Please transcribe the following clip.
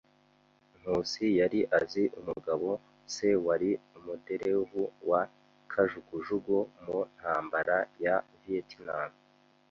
Nkusi yari azi umugabo se wari umuderevu wa kajugujugu mu ntambara ya Vietnam.